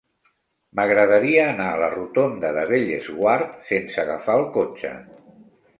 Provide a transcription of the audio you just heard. M'agradaria anar a la rotonda de Bellesguard sense agafar el cotxe.